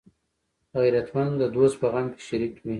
غیرتمند د دوست په غم کې شریک وي